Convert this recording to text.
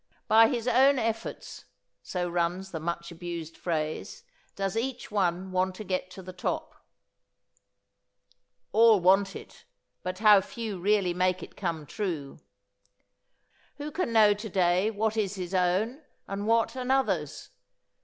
"By his own efforts" so runs the much abused phrase, does each one want to get to the top. All want it but how few really make it come true! Who can know to day what is his own and what another's?